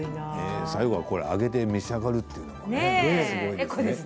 最後これを揚げて召し上がるというのがね。